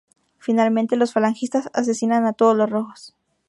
Finalmente, los falangistas asesinan a todos los rojos.